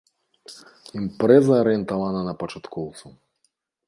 Імпрэза арыентавана на пачаткоўцаў.